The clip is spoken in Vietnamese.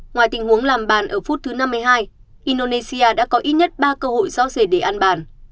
ngoài tình huống làm bàn ở phút thứ năm mươi hai indonesia đã có ít nhất ba cơ hội do dề để ăn bàn